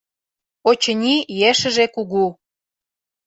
«Очыни, ешыже кугу.